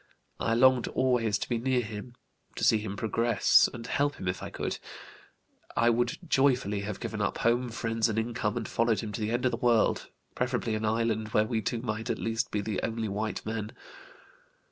I longed always to be near him, to see him progress and help him if I could. I would joyfully have given up home, friends, and income, and followed him to the end of the world, preferably an island where we two might at least be the only white men.